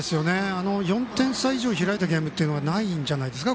４点差以上開いたゲームがここまでないんじゃないんですか。